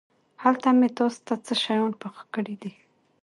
هلته مې تاسو ته څه شيان پاخه کړي دي.